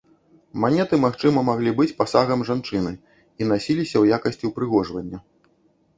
Манеты магчыма маглі быць пасагам жанчыны, і насіліся ў якасці ўпрыгожвання.